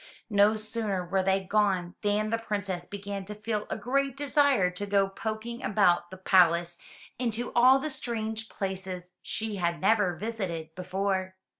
No sooner were they gone, than the Princess began to feel a great desire to go poking about the palace into all the strange places she had never visited before.